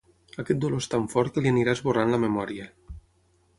Aquest dolor és tan fort que li anirà esborrant la memòria.